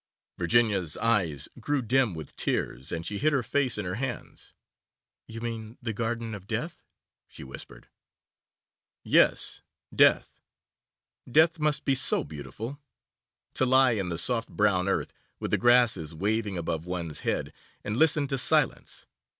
Virginia's eyes grew dim with tears, and she hid her face in her hands. 'You mean the Garden of Death,' she whispered. 'Yes, Death. Death must be so beautiful. To lie in the soft brown earth, with the grasses waving above one's head, and listen to silence.